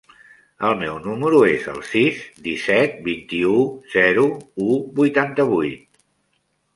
El meu número es el sis, disset, vint-i-u, zero, u, vuitanta-vuit.